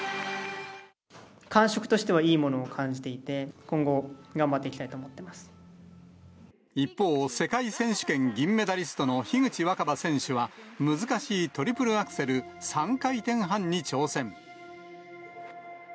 感触としてはいいものを感じていて、今後、頑張っていきたい一方、世界選手権銀メダリストの樋口新葉選手は、難しいトリプルアクセル・３回転半に挑戦。